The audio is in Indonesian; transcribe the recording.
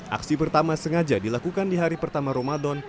aksi pertama sengaja dilakukan di hari pertama ramadan